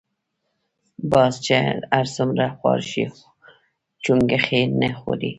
باز چی هر څومره خوار شی چونګښی نه خوري .